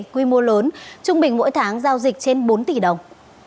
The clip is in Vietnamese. quy mô lớn trung bình mỗi tháng giao dịch trên bốn tỷ đồng